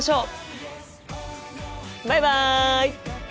バイバイ！